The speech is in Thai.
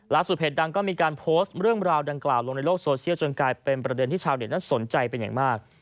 เพจดังก็มีการโพสต์เรื่องราวดังกล่าวลงในโลกโซเชียลจนกลายเป็นประเด็นที่ชาวเน็ตนั้นสนใจเป็นอย่างมาก